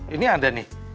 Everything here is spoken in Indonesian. ini ada nih